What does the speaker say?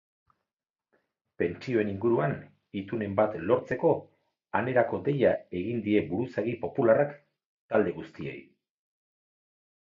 Pentsioen inguruan itunen bat lortzeko anerako deia egin die buruzagi popularrak talde guztiei.